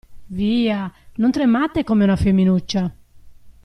Via, non tremate come una femminuccia.